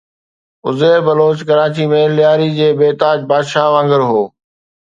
عزير بلوچ ڪراچيءَ ۾ لياري جي بي تاج بادشاهه وانگر هو.